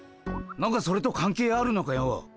なんかそれとかん係あるのかよ。